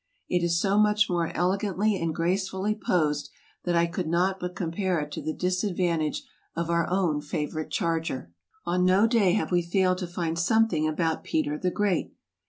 It is so much more elegantly and gracefully posed that I could not but compare it to the disadvantage of our own favorite charger. On no day have we failed to find something about Peter the Great!